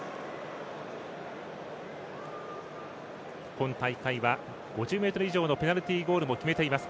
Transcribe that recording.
今大会は５０ｍ以上のペナルティゴールも決めています